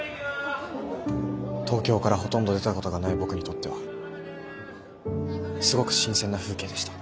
東京からほとんど出たことがない僕にとってはすごく新鮮な風景でした。